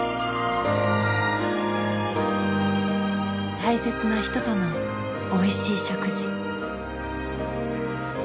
大切な人とのおいしい食事。